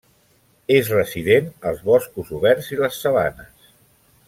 És resident als boscos oberts i les sabanes.